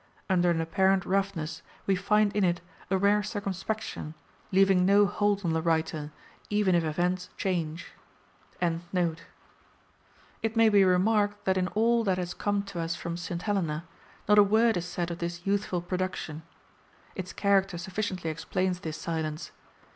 Under an apparent roughness, we find in it a rare circumspection, leaving no hold on the writer, even if events change."] It may be remarked, that in all that has come to us from St. Helena, not a word is said of this youthful production. Its character sufficiently explains this silence.